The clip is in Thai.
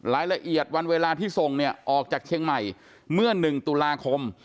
รายละเอียดวันเวลาที่ส่งเนี่ยออกจากเชียงใหม่เมื่อ๑ตุลาคม